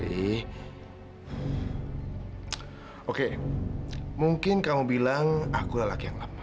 hai oke mungkin kamu bilang aku lelaki yang lama